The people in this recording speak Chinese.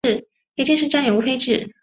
夜间是站员无配置。